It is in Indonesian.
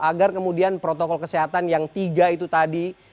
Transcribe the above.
agar kemudian protokol kesehatan yang tiga itu tadi